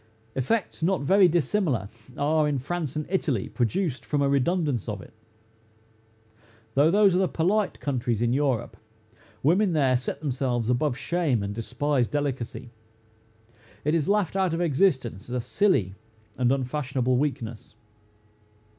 Effects not very dissimilar, are, in France and Italy, produced from a redundance of it. Though those are the polite countries in Europe, women there set themselves above shame, and despise delicacy. It is laughed out of existence, as a silly and unfashionable weakness.